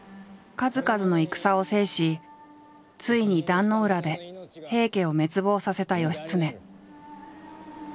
数々の戦を制しついに壇ノ浦で平家を滅亡させた義経。